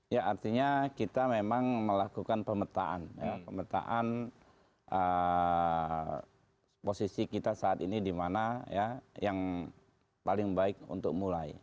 ya artinya kita memang melakukan pemetaan ya pemetaan posisi kita saat ini di mana ya yang paling baik untuk mulai